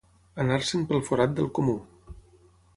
Anar-se'n pel forat del comú.